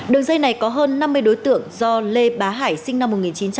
đường dây này có hơn năm mươi đối tượng do lê bá hải sinh năm một nghìn chín trăm tám mươi